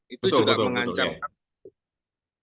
itu juga mengancam kami